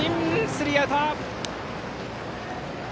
スリーアウト。